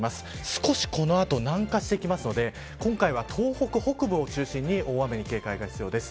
少しこの後、南下してくるので今回は、東北北部を中心に大雨に警戒が必要です。